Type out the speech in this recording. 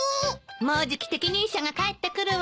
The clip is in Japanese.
もうじき適任者が帰ってくるわよ。